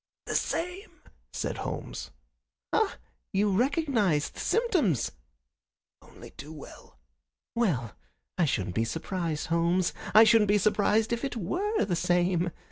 "The same," said Holmes. "Ah! You recognize the symptoms?" "Only too well." "Well, I shouldn't be surprised, Holmes. I shouldn't be surprised if it WERE the same.